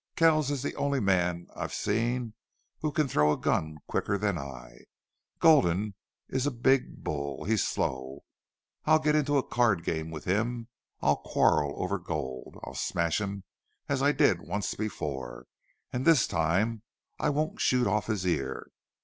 Kells is the only man I've seen who can throw a gun quicker than I. Gulden is a big bull. He's slow. I'll get into a card game with him I'll quarrel over gold I'll smash him as I did once before and this time I won't shoot off his ear.